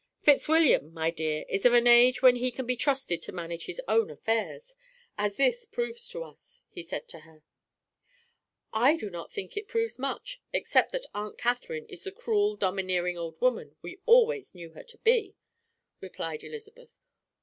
"Fitzwilliam, my dear, is of an age when he can be trusted to manage his own affairs, as this proves to us," he said to her. "I do not think it proves much, except that Aunt Catherine is the cruel domineering old woman we always knew her to be," replied Elizabeth.